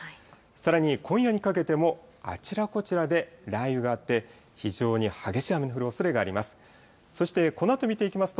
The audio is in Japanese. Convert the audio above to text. さらに今夜にかけても、あちらこちらで雷雨があって、非常に激しい雨の降るおそれがあります。